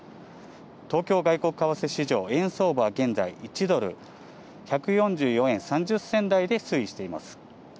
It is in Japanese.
東京外国為替市場、円相場は現在、１ドル＝１４４円３０銭台で推移しています。